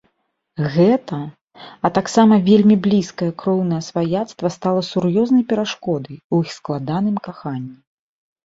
Гэта, а таксама вельмі блізкае кроўнае сваяцтва стала сур'ёзнай перашкодай у іх складаным каханні.